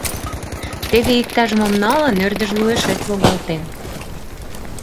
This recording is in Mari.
Теве, иктаж-мом налын, ӧрдыжлуэшет логалтем!